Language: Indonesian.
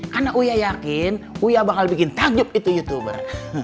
karena uya yakin uya bakal bikin takjub itu youtuber